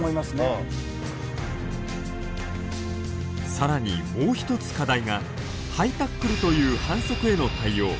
さらにもう一つ課題がハイタックルという反則への対応。